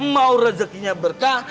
mau rezekinya berkah